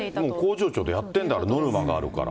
工場長でやってんだもん、ノルマがあるから。